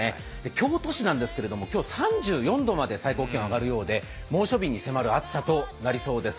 京都市なんですけど、今日、３４度まで最高気温上がりそうで猛暑日に迫る暑さとなりそうです。